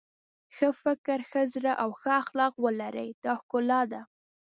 ښه فکر ښه زړه او ښه اخلاق ولرئ دا ښکلا ده.